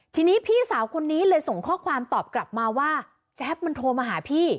ทีนี้พี่สาวคนนี้เลยส่งข้อความตอบกลับมาว่าแจ๊บมันโทรมาหาพี่